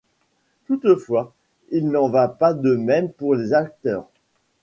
Toutefois il n'en va pas de même pour les acteurs.